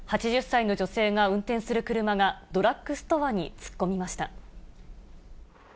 ８０歳の女性が運転する車がドラッグストアに突っ込みました。